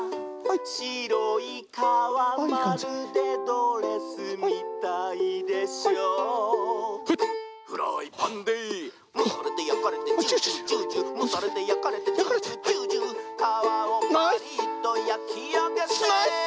「しろいかわまるでドレスみたいでしょ」「フライパンでむされてやかれてジュージュージュージュー」「むされてやかれてジュージュージュージュー」「かわをパリッとやきあげて」